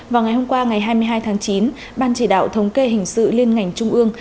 vào ngày hôm qua ngày hai mươi hai tháng chín ban chỉ đạo thống kê hình sự liên ngành trung ương